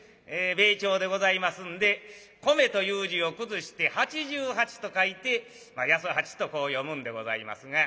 米朝でございますんで「米」という字を崩して八十八と書いて「やそはち」とこう読むんでございますが。